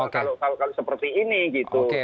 kalau seperti ini gitu